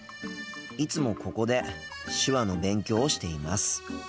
いつもここで手話の勉強をしています。